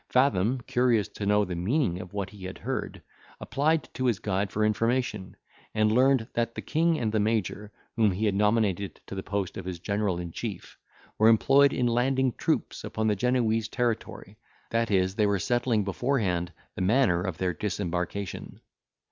Fathom, curious to know the meaning of what he had heard, applied to his guide for information, and learned that the king and the major, whom he had nominated to the post of his general in chief, were employed in landing troops upon the Genoese territory; that is, that they were settling beforehand the manner of their disembarkation.